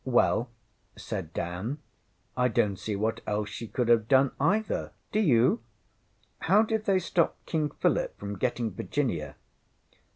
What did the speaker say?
ŌĆśWell, ŌĆÖ said Dan, ŌĆśI donŌĆÖt see what else she could have done, either do you? How did they stop King Philip from getting Virginia?